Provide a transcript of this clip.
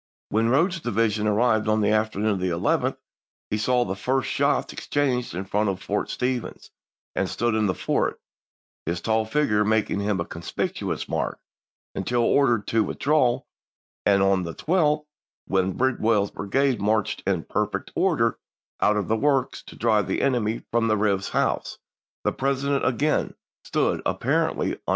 When Rodes's division arrived on the afternoon of the 11th he saw the first shots ex changed in front of Fort Stevens, and stood in the fort, his tall figure making him a conspicuous mark, until ordered to withdraw ; and on the 12th, when Bidwell's brigade marched, in perfect order, EARLY'S CAMPAIGN AGAINST WASHINGTON 173 out of the works, to drive the enemy from the Eives chap.vii. house, the President again stood, apparently un juiyi2,i86±.